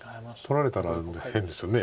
取られたら変ですよね